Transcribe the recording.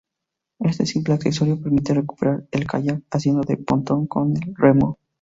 Este simple accesorio permite recuperar el Kayak haciendo de pontón con el remo.